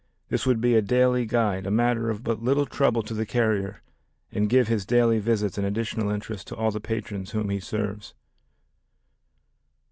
This would be a daily guide, a matter of but little trouble to the carrier, and give his daily visits an additional interest to all the patrons whom he serves.